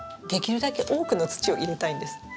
できるだけ多くの土を入れたいんです。